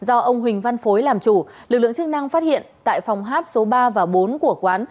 do ông huỳnh văn phối làm chủ lực lượng chức năng phát hiện tại phòng hát số ba và bốn của quán